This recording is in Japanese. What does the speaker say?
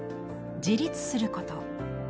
「自立すること」。